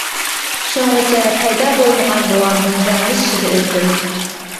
شۇڭغىچە پەيدا بولمىغان بوۋامدىن زارلىنىش ئىچىدە ئۆتتۈم.